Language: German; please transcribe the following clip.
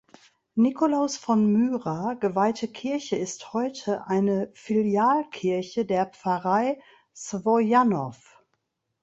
Nikolaus von Myra geweihte Kirche ist heute eine Filialkirche der Pfarrei Svojanov.